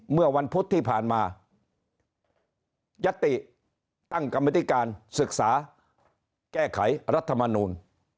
เมื่อวันพุธที่ผ่านมายัตติตั้งกรรมธิการศึกษาแก้ไขรัฐมนูล